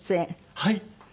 はい。